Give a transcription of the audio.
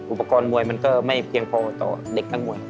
อุปกรณ์มวยมันก็ไม่เพียงพอต่อเด็กทั้งมวย